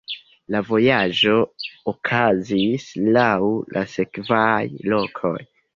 La vojaĝo okazis laŭ la sekvaj lokoj.